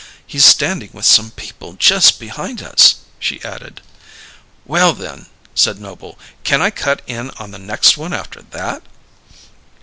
"He's standing with some people just behind us," she added. "Well, then," said Noble, "can I cut in on the next one after that?"